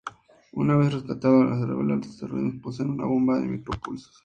Una vez rescatado se revela que los terroristas poseen una bomba de micro pulsos.